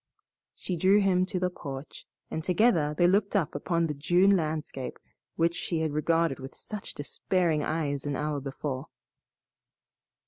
She drew him to the porch, and together they looked upon the June landscape which she had regarded with such despairing eyes an hour before.